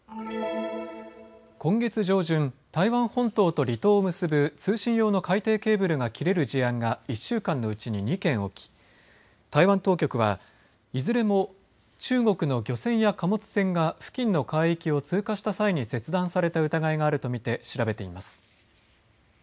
今月上旬、台湾本島と離島を結ぶ通信用の海底ケーブルが切れる事案が１週間のうちに２件起き台湾当局はいずれも中国の漁船や貨物船が付近の海域を通過した際に切断された疑いがあると見て調べています。